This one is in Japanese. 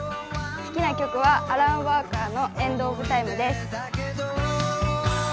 好きな曲はアランウォーカーの「エンド・オブ・タイム」です。